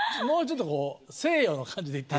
もうちょっとこう西洋の感じで。